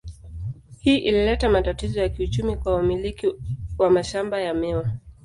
Hii ilileta matatizo ya kiuchumi kwa wamiliki wa mashamba ya miwa.